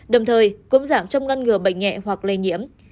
đồng thời cũng giảm trong ngăn ngừa bệnh nhẹ hoặc lây nhiễm